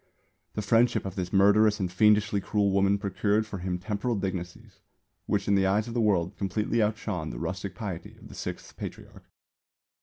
The friendship of this murderous and fiendishly cruel woman procured for him temporal dignities which in the eyes of the world completely outshone the rustic piety of the Sixth Patriarch.